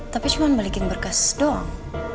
tapi cuman balikin berkes doang